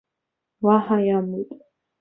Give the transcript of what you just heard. Уаҳа иамуит.